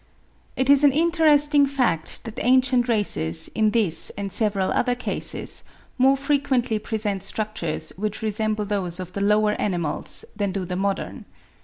It is an interesting fact that ancient races, in this and several other cases, more frequently present structures which resemble those of the lower animals than do the modern.